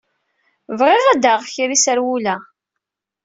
Bɣiɣ ad d-aɣeɣ kra iserwula.